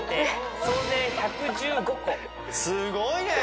すごい！